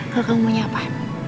kalau kamu mau siapa